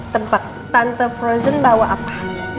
tempat tante frozen bawa apa